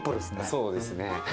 そうですね。